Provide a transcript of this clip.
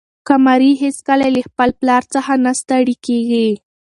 قمري هیڅکله له خپل کار څخه نه ستړې کېږي.